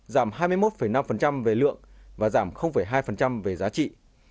giảm hai mươi một năm về lượng và giảm hai về giá trị